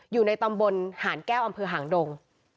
อยู่ในตำบลหานแก้วอำเภอหางดง